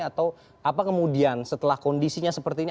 atau apa kemudian setelah kondisinya seperti ini